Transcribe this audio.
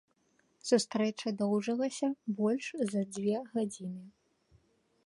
Сустрэча доўжылася больш за дзве гадзіны.